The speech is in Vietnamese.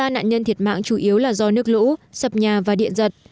ba mươi ba nạn nhân thiệt mạng chủ yếu là do nước lũ sập nhà và điện giật